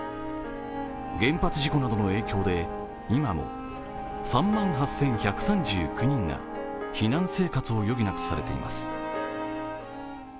原発事故などの影響で今も３万８１３９人が避難生活を余儀なくされています。